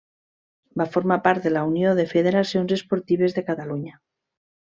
Va formar part de la Unió de Federacions Esportives de Catalunya.